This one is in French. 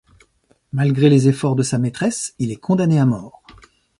Malgré les efforts de sa maîtresse, il est condamné à mort.